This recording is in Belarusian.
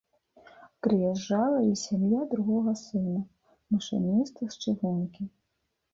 Прыязджала і сям'я другога сына, машыніста з чыгункі.